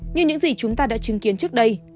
như những gì chúng ta đã chứng kiến trước đây